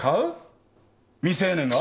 未成年が？